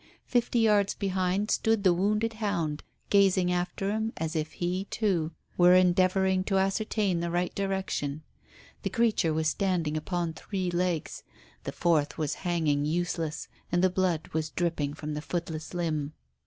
Fifty yards behind stood the wounded hound gazing after him as if he, too, were endeavouring to ascertain the right direction. The creature was standing upon three legs, the fourth was hanging useless, and the blood was dripping from the footless limb.